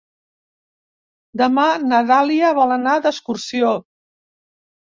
Demà na Dàlia vol anar d'excursió.